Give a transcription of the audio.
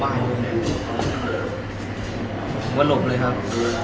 ผมก็หลบเลยครับ